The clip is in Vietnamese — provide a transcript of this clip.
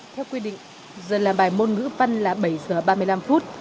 theo quy định giờ làm bài môn ngữ văn là bảy giờ ba mươi năm phút